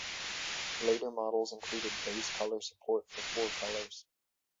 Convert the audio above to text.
Later models included "base colour" support for four colours.